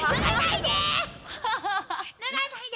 脱がないで！